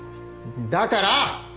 だから！